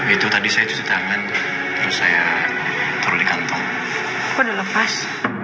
itu tadi saya terus saya terlihat udah lepas